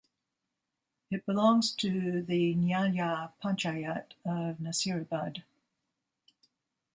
It belongs to the nyaya panchayat of Nasirabad.